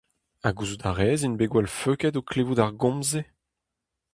Ha gouzout a rez int bet gwall-feuket o klevout ar gomz-se ?